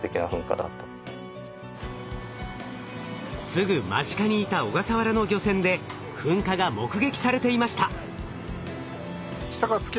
すぐ間近にいた小笠原の漁船で噴火が目撃されていました。